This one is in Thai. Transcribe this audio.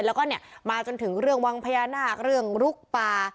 แล้วก็เนี่ยมาจนถึงเรื่องวังพญานาคเรื่องลุกป่า